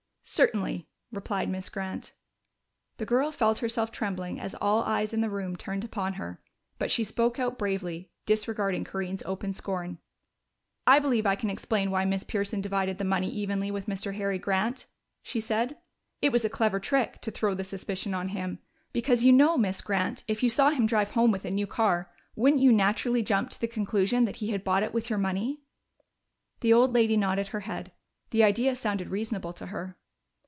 "Certainly," replied Miss Grant. The girl felt herself trembling as all eyes in the room turned upon her. But she spoke out bravely, disregarding Corinne's open scorn. "I believe I can explain why Miss Pearson divided the money evenly with Mr. Harry Grant," she said. "It was a clever trick, to throw the suspicion on him. Because you know, Miss Grant, if you saw him drive home with a new car, wouldn't you naturally jump to the conclusion that he had bought it with your money?" The old lady nodded her head: the idea sounded reasonable to her.